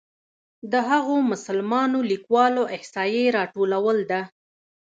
د هغو مسلمانو لیکوالو احصایې راټولول ده.